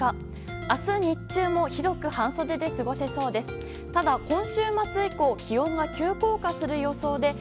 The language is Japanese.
明日、日中も広く半袖で過ごせそうです。